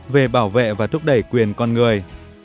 về bảo vệ và thúc đẩy quyền con người